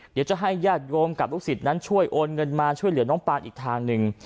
เดี๋ยวจะให้ญาติโยมกับลูกศิษย์นั้นช่วยโอนเงินมาช่วยเหลือน้องปานอีกทางหนึ่ง